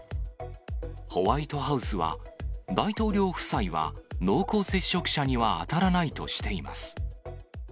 ホワイトハウスは、大統領夫妻は濃厚接触者には当たらないとしています。